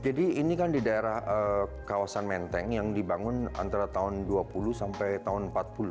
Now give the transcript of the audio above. jadi ini kan di daerah kawasan menteng yang dibangun antara tahun dua puluh sampai tahun empat puluh